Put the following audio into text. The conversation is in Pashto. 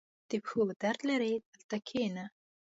• د پښو درد لرې؟ دلته کښېنه.